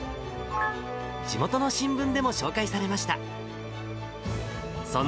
地元の新聞でも紹介されました。